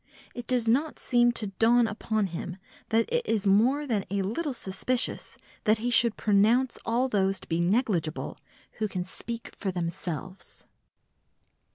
It does not seem to dawn upon him that it is more than a little suspicious that he should pronounce all those to be negligible who can speak for themselves.